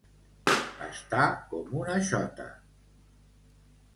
Estar com una xota.